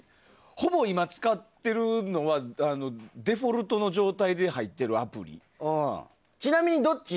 ほぼ今使ってるのはデフォルトの状態でちなみにどっち？